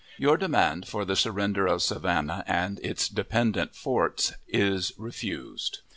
Your demand for the surrender of Savannah and its dependent forts is refused.